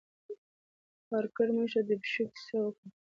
هارکر موږ ته د پیښې کیسه وکړه.